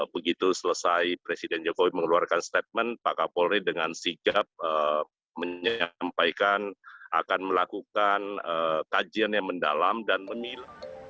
begitu selesai presiden jokowi mengeluarkan statement pak kapolri dengan sigap menyampaikan akan melakukan kajian yang mendalam dan menilai